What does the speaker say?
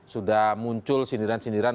sudah muncul sindiran sindiran